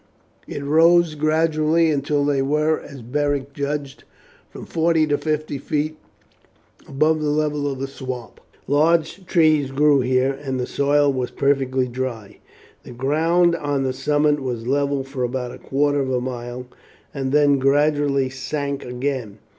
It rose gradually until they were, as Beric judged, from forty to fifty feet above the level of the swamp. Large trees grew here, and the soil was perfectly dry. The ground on the summit was level for about a quarter of a mile, and then gradually sank again.